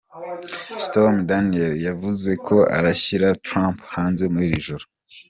Stormy Daniels yavuze ko arashyira Trump hanze muri iri joro.